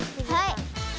はい。